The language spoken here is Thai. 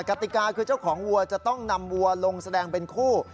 กติกาคือเจ้าของวัวจะต้องนำวัวลงแสดงเป็นคู่